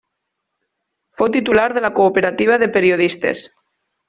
Fou titular de la Cooperativa de Periodistes.